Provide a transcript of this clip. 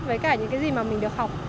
với cả những cái gì mà mình được học